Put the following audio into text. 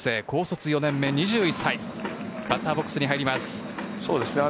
高卒４年目、２１歳がバッターボックスに入ります。